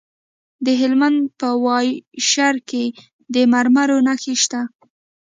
د هلمند په واشیر کې د مرمرو نښې شته.